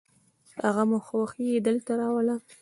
غم او خوښي يې دلته راوړله.